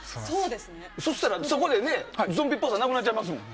そうしたら、そこでゾンビっぽさなくなっちゃいますもん。